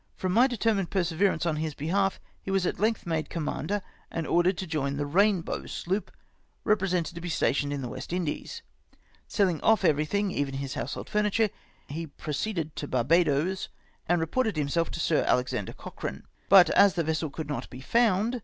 From my determined perseverance on his behalf, he was at length made commander, and ordered to join the Rain how sloop, represented to be stationed in the West Lidies. Selling off everything, even to his household furniture, he proceeded to Barbadoes, and reported himself to Sir Alexander Cochrane ; but, as the vessel could not be found.